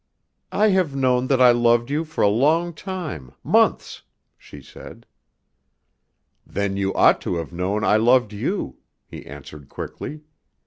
"I have known that I loved you for a long time, months," she said. "Then you ought to have known I loved you," he answered quickly.